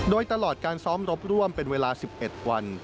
โดยตลอดการซ้อมรบร่วมเป็นเวลา๑๑วัน